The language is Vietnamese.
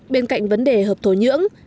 bên cạnh vấn đề hợp thổ nhưỡng